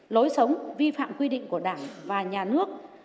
lối sống vi phạm quy định của đảng và nhà nước